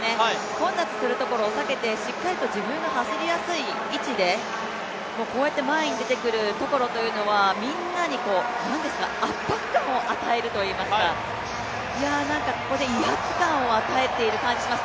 混雑するところを避けてしっかりと自分の走りやすい位置でこうやって前に出てくるところというのはみんなに圧迫感を与えるといいますか、ここで威圧感を与えている感じがします。